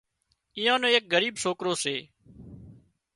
ايئا نو ايڪ ڳريٻ سوڪرو سي